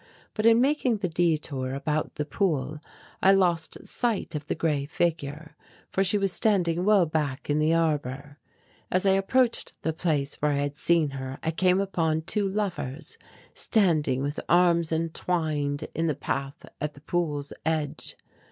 But in making the detour about the pool I lost sight of the grey figure, for she was standing well back in the arbour. As I approached the place where I had seen her I came upon two lovers standing with arms entwined in the path at the pool's edge.